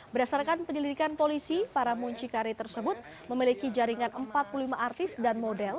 berdasarkan penyelidikan polisi para muncikari tersebut memiliki jaringan empat puluh lima artis dan model